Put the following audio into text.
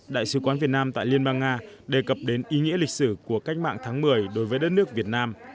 đại sứ quán việt nam tại liên bang nga đề cập đến ý nghĩa lịch sử của cách mạng tháng một mươi đối với đất nước việt nam